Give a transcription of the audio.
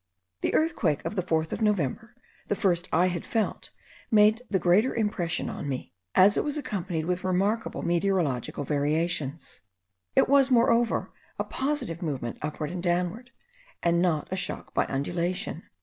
The earthquake of the 4th of November, the first I had felt, made the greater impression on me, as it was accompanied with remarkable meteorological variations. It was, moreover, a positive movement upward and downward, and not a shock by undulation.